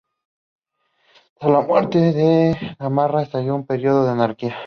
Tras la muerte de Gamarra estalló un período de anarquía.